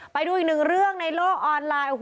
ไปดูอีกหนึ่งเรื่องในโลกออนไลน์